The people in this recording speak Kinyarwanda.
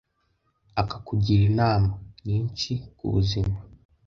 akakugira inama. nyinshi kubuzima